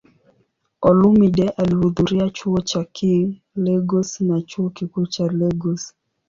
Olumide alihudhuria Chuo cha King, Lagos na Chuo Kikuu cha Lagos.